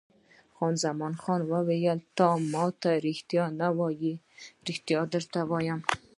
خان زمان وویل: ته ما ته رښتیا نه وایې، رښتیا راته ووایه.